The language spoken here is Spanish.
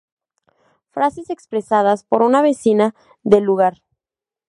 Frases expresadas por una vecina del lugar.